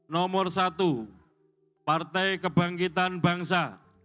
nomor satu partai kebangkitan bangsa